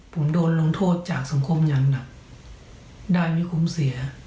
ผมโดนลงโทษจากสังคมอย่างหนักได้ไม่คุ้มเสีย